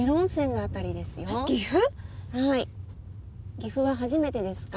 岐阜は初めてですか？